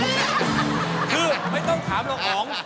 คือไม่ต้องถามลงออง